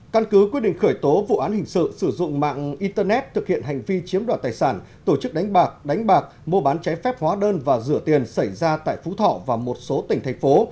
căn cứ quyết định khởi tố vụ án hình sự sử dụng mạng internet thực hiện hành vi chiếm đoạt tài sản tổ chức đánh bạc đánh bạc mua bán cháy phép hóa đơn và rửa tiền xảy ra tại phú thọ và một số tỉnh thành phố